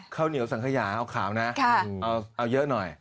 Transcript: ข้าวเหนียวสังขยาเอาขาวนะเอาเยอะหน่อย